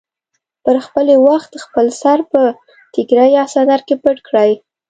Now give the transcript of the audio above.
د پخلي پر وخت خپل سر په ټیکري یا څادر کې پټ کړئ.